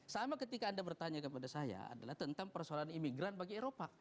sama ketika anda bertanya kepada saya adalah tentang persoalan imigran bagi eropa